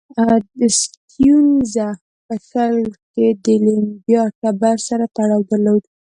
سټیونز په شل کې د لیمبا ټبر سره تړاو درلود.